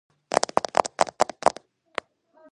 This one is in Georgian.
თავდაპირველი შენობა საერთო საცხოვრებელი გახდა.